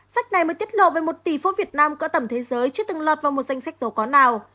sách này mới tiết lộ về một tỷ phút việt nam cỡ tầm thế giới chưa từng lọt vào một danh sách giàu có nào